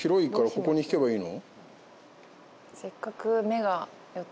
ここに敷けばいいの？